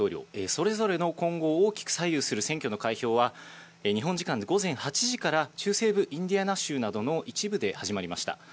それぞれの今後を大きく左右する選挙の開票は、日本時間、午前８時から中西部インディアナ州などの一部で始まりました。